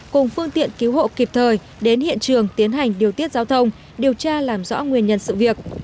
cùng phương tiện cứu hộ kịp thời đến hiện trường tiến hành điều tiết giao thông điều tra làm rõ nguyên nhân sự việc